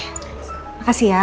terima kasih ya